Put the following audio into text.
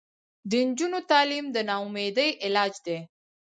د نجونو تعلیم د ناامیدۍ علاج دی.